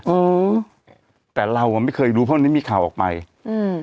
อืมแต่เราอ่ะไม่เคยรู้เพราะวันนี้มีข่าวออกไปอืม